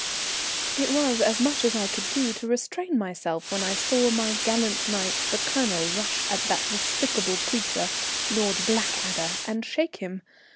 _] It was as much as I could do to restrain myself when I saw my gallant knight, the Colonel, rush at that despicable creature, Lord Blackadder, and shake him.